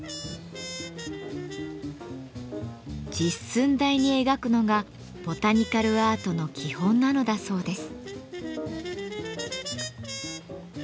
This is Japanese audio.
実寸大に描くのがボタニカルアートの基本なのだそうです。